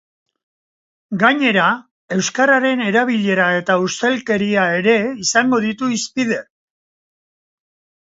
Gainera, euskararen erabilera eta ustelkeria ere izango ditu hizpide.